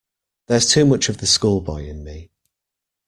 There's too much of the schoolboy in me.